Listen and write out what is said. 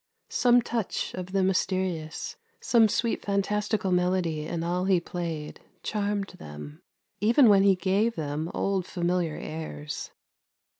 Some touch of the mysterious, some sweet fantastical melody in all he played, charmed them, even when he gave them old familiar airs.